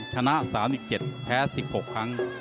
ชนะ๓๗แพ้๑๖ครั้ง